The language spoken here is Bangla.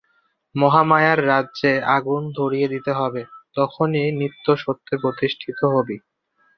মহামায়ার রাজ্যে আগুন ধরিয়ে দিতে হবে! তখনই নিত্য-সত্যে প্রতিষ্ঠিত হবি।